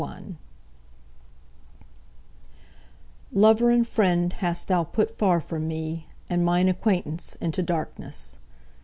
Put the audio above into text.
"Lover and friend hast thou put far from me, and mine acquaintance into darkness."